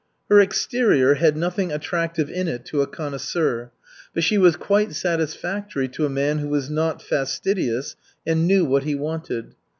Her exterior had nothing attractive in it to a connoisseur, but she was quite satisfactory to a man who was not fastidious and knew what he wanted.